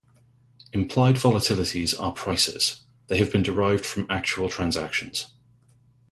Implied volatilities are prices: they have been derived from actual transactions.